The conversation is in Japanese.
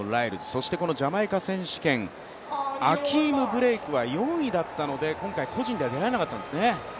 そしてジャマイカ選手権、アキーム・ブレイクは４位だったので、今回は個人では出られなかったんですね。